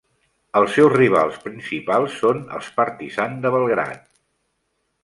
Els seus rivals principals són els Partizan de Belgrad.